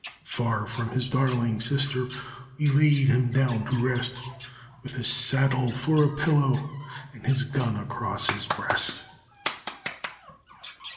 Far from his darling sister We laid him down to rest With his saddle for a pillow And his gun across his breast.